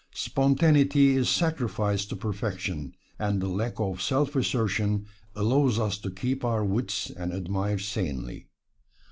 Spontaneity is sacrificed to perfection, and the lack of self assertion allows us to keep our wits and admire sanely.